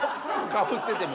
かぶってても？